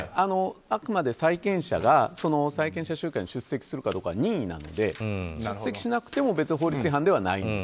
あくまで債権者が債権者集会に出席するかどうかは任意なので出席しなくても別に法律違反ではないんです。